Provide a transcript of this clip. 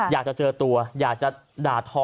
อยากจะเจอตัวอยากจะด่าทอ